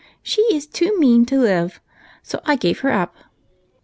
She is too mean to live, so I gave her up.